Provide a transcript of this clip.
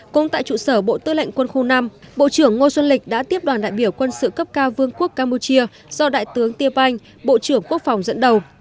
cũng tại trụ sở bộ tư lệnh quân khu năm bộ trưởng ngô xuân lịch đã tiếp đoàn đại biểu quân sự cấp cao vương quốc campuchia do đại tướng tia banh bộ trưởng quốc phòng dẫn đầu